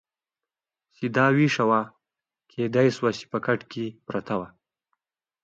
چې دا دې وېښه وه، کېدای شوه چې په کټ کې پرته وه.